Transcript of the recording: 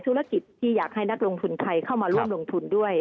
ธุรกิจที่อยากให้นักลงทุนไทยเข้ามาร่วมลงทุนด้วย